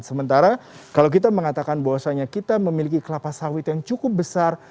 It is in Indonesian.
sementara kalau kita mengatakan bahwasanya kita memiliki kelapa sawit yang cukup besar